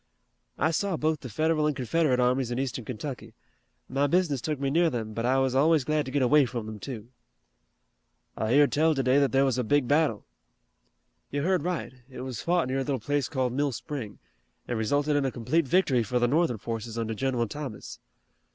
"I saw both the Federal and Confederate armies in Eastern Kentucky. My business took me near them, but I was always glad to get away from them, too." "I heard tell today that there was a big battle." "You heard right. It was fought near a little place called Mill Spring, and resulted in a complete victory for the Northern forces under General Thomas."